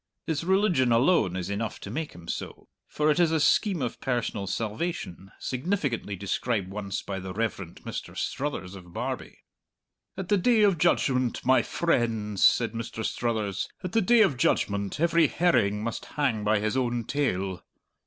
His religion alone is enough to make him so; for it is a scheme of personal salvation significantly described once by the Reverend Mr. Struthers of Barbie. "At the Day of Judgment, my frehnds," said Mr. Struthers "at the Day of Judgment every herring must hang by his own tail!"